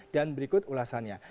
dan berikut ulasannya